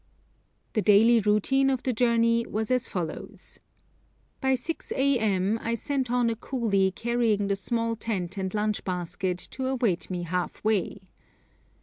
The daily routine of the journey was as follows: By six a.m. I sent on a coolie carrying the small tent and lunch basket to await me half way.